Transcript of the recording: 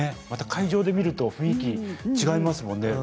また会場で見ると雰囲気、違いますものね。